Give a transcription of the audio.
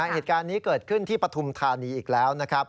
เหตุการณ์มันเกิดขึ้นที่ปฐุมธานีอีกแล้ว